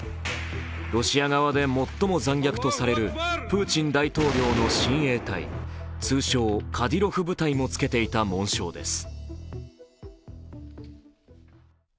ロシア側で最も残虐とされるプーチン大統領の親衛隊、通称・カディロフ部隊もつけていた紋章です。